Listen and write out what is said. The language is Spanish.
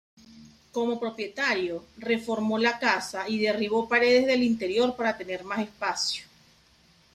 Como propietario, reformó la casa y derribó paredes del interior para tener más espacio.